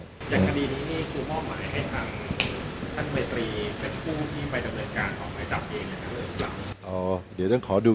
อย่างคดีนี้คุณมอบหมายให้ทางท่านเวตรี